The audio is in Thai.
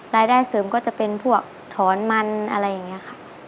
รายได้เสริมก็จะเป็นพวกถอนมันอะไรอย่างนี้ค่ะ